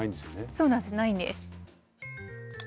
そうなんですないんです。